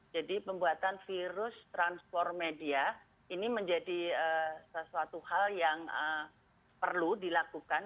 jadi pembuatan virus transformedia ini menjadi sesuatu hal yang perlu dilakukan